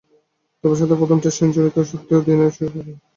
তবে শেহজাদের প্রথম test century সত্ত্বেও দিন শেষে পাকিস্তান অনেকটাই পিছিয়ে।